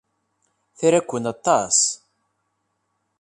Tra-ken aṭas.